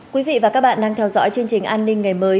quý vị và các bạn đang theo dõi chương trình an ninh ngày mới